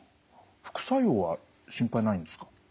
副作用は心配ないんですか？